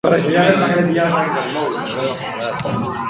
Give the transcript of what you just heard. Astelehenean pasatuko da epailearen aurretik.